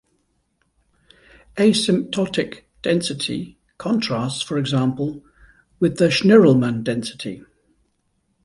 Asymptotic density contrasts, for example, with the Schnirelmann density.